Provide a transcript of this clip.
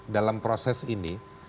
dalam proses ini